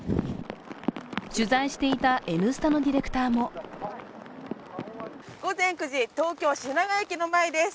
取材していた「Ｎスタ」のディレクターも午前９時、東京・品川駅の前です。